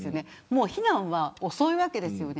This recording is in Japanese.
もう避難は遅いわけです。